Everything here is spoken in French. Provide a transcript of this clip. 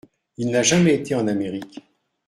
Il n’a jamais été en Amérique.